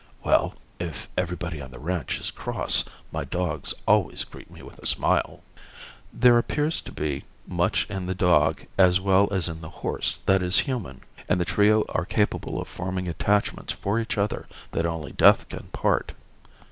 "Well, if everybody on the ranch is cross, my dogs always greet me with a smile." There appears to be much in the dog as well as in the horse that is human, and the trio are capable of forming attachments for each other that only death can part.